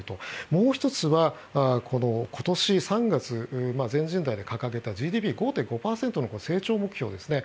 もう１つは今年３月全人代で掲げたＧＤＰ５．５％の成長目標ですね